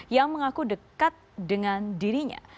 yang mengaku dekat dengan dirinya